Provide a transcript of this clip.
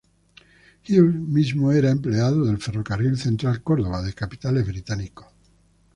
Hughes mismo era empleado del "Ferrocarril Central Córdoba", de capitales británicos.